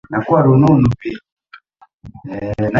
Na kupitia katika afisi zetu za kimaeneo